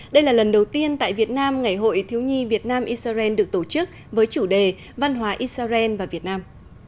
đây là lần đầu tiên tại việt nam ngày hội thiếu nhi việt nam israel được tổ chức với chủ đề văn hóa israel và việt nam